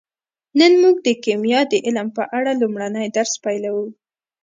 نن موږ د کیمیا د علم په اړه لومړنی درس پیلوو